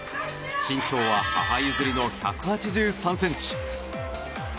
身長は母譲りの１８３ｃｍ。